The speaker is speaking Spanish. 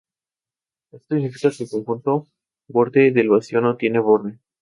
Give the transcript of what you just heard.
Esto significa que el conjunto borde del vacío no tiene borde.